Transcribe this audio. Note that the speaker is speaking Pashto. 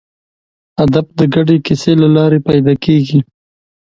هدف د ګډې کیسې له لارې پیدا کېږي.